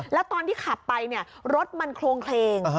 แล้วตอนที่ขับไปรถมันโครงเคลง